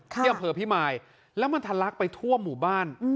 ที่อำเภอพิมายแล้วมันทะลักไปทั่วหมู่บ้าน